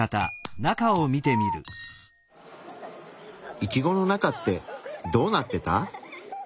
イチゴの中ってどうなってた？